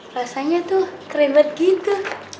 rasanya tuh kerebet gitu